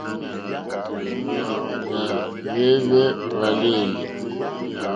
Hwáhwɛ̂hwɛ́ hwàlêlì.